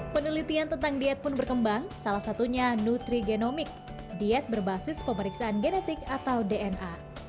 penelitian tentang diet pun berkembang salah satunya nutrigenomik diet berbasis pemeriksaan genetik atau dna